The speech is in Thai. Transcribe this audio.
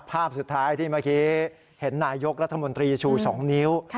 ภาพสุดท้ายที่เมื่อกี้เห็นนายกรัฐมนตรีชู๒นิ้ว